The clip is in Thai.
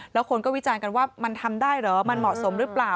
แล้วคนก็วิจารณ์กันว่ามันทำได้เหรอมันเหมาะสมหรือเปล่า